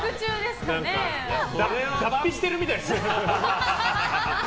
脱皮してるみたいですね。